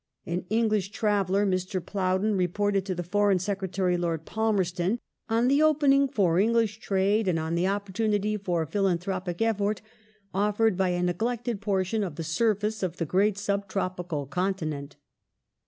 An English traveller, Mr. Plowden, reported to the Foreign Secretary, Lord Palmerston, on the opening for English trade and on the opportunity for philan thropic effort offered by a neglected portion of the surface of the great sub tropical continent.